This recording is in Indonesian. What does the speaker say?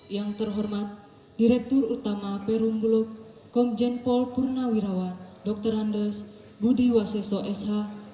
yang terhormat direktur utama perum blok komjen pol purna wirawan dr andes budi waseso sh